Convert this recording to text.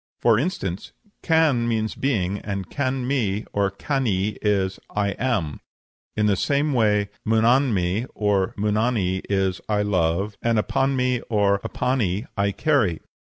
For instance, can means being, and Can mi, or Cani, is 'I am.' In the same way Munanmi, or Munani, is 'I love,' and Apanmi, or Apani, 'I carry.'